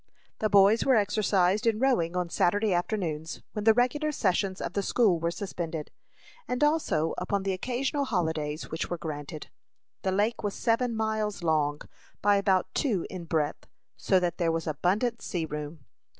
The boys were exercised in rowing on Saturday afternoons, when the regular sessions of the school were suspended, and also upon the occasional holidays which were granted. The lake was seven miles long, by about two in breadth, so that there was abundant sea room.